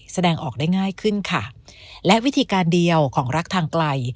แสดงออกได้ง่ายขึ้นค่ะและวิธีการเดียวของรักทางไกล